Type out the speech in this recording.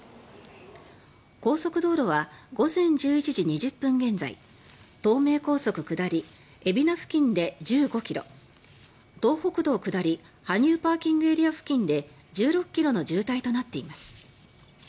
高速道路は午前１１時２０分現在東名高速下り海老名付近で１５ｋｍ東北道下り羽生ＰＡ付近で１６ｋｍの渋滞となっています。